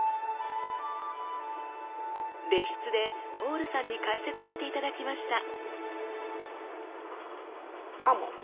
別室でポールさんに解説して頂きました。